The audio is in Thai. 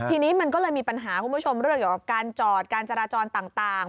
ทีนี้มันก็เลยมีปัญหาคุณผู้ชมเรื่องเกี่ยวกับการจอดการจราจรต่าง